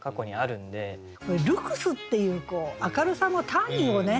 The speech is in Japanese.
「ルクス」っていう明るさの単位をね